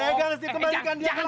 pegang steve kembalikan dia ke langit